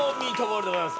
ルでございます。